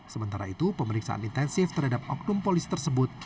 sementara itu pemeriksaan intensif terhadap oknum polis tersebut